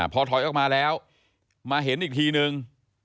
พอถอยออกมาแล้วมาเห็นอีกทีนึง